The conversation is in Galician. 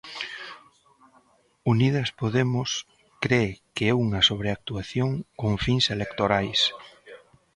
Unidas Podemos cre que é unha sobreactuación con fins electorais.